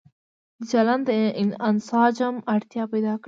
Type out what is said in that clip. د چلن د انسجام اړتيا پيدا کړه